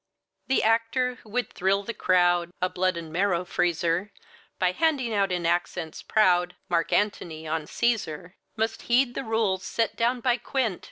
The actor who would thrill the crowd (A blood and marrow freezer) By handing out in accents proud "Mark Antony on Cæsar," Must heed the rules set down by Quint.